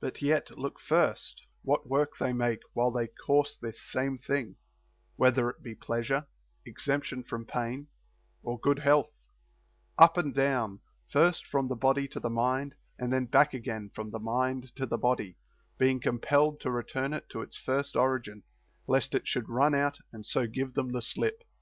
5. But yet look first what work they make, while they course this same thing — whether it be pleasure, exemp tion from pain, or good health — up and down, first from the body to the mind, and then back again from the mind to the body, being compelled to return it to its first origin, lest it should run out and so give them the slip.